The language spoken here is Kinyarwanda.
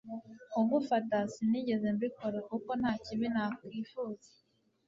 kugufata sinigeze mbikora kuko ntakibi nakifuza